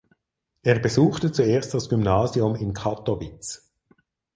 Er besuchte zuerst das Gymnasium in Kattowitz.